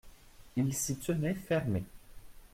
Il s'y tenait fermé.